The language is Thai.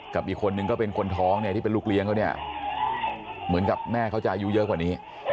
กับอีกคนนึงก็เป็นคนท้องเนี่ยที่เป็นลูกเลี้ยงเขาเนี่ยเหมือนกับแม่เขาจะอายุเยอะกว่านี้